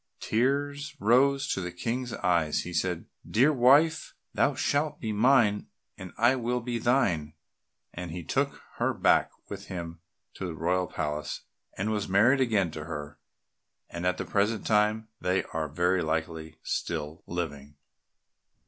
Tears rose to the King's eyes and he said, "Dear wife, thou shalt be mine and I will be thine," and he took her back with him to the royal palace and was married again to her, and at the present time they are very likely still living.